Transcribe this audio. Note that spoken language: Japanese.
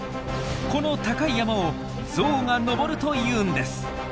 この高い山をゾウが登るというんです。